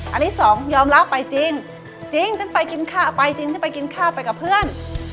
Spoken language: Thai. อันนี้สองยอมรับไปจริงจริงฉันไปกินข้าวไปจริงฉันไปกินข้าวไปกับเพื่อน